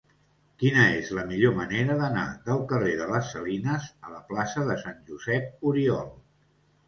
Quina és la millor manera d'anar del carrer de les Salines a la plaça de Sant Josep Oriol?